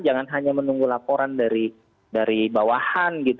jangan hanya menunggu laporan dari bawahan gitu